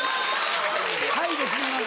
「ハイ」でつながる。